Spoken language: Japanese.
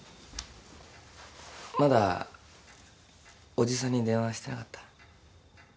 まだ伯父さんに電話してなかった？